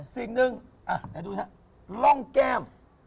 สิ่งหนึ่งลองแก้ม